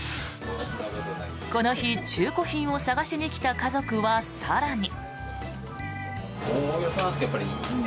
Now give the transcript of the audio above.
この日、中古品を探しに来た家族は更に。